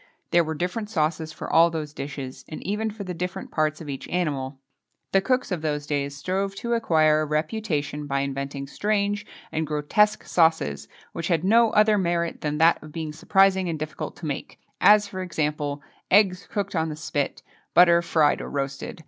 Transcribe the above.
There were different sauces for all those dishes, and even for the different parts of each animal. The cooks of those days strove to acquire a reputation by inventing strange and grotesque sauces, which had no other merit than that of being surprising and difficult to make, as, for example: "eggs cooked on the spit," "butter fried or roasted."